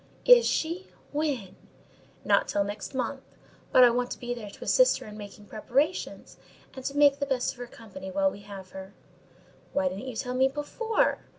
"Is she—when?" "Not till next month; but I want to be there to assist her in making preparations, and to make the best of her company while we have her." "Why didn't you tell me before?"